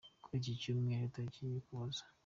Kuri iki Cyumweru tariki ya Ukuboza.